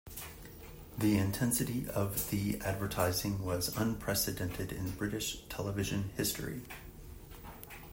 The intensity of the advertising was unprecedented in British television history.